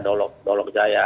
dolok ya dolok jaya